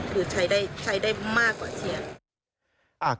คือใช้ได้มากกว่าเชียร์